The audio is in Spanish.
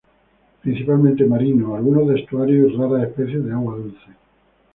Principalmente marinos, algunos de estuario y raras especies de agua dulce.